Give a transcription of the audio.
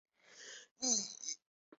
降级徐州帅府经历官。